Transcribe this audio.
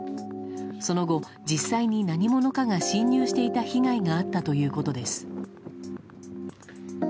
その後、実際に何者かが侵入していた被害があったということです。